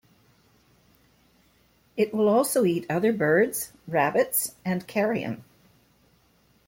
It will also eat other birds, rabbits, and carrion.